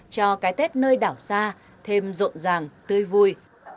cho cái tết nơi đảo xa thêm rộn ràng tươi vui